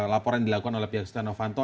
laporan yang dilakukan oleh pihak setia novanto